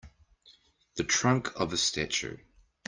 The trunk of a statue.